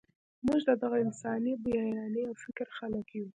موږ د دغه انساني بیانیې او فکر خلک یو.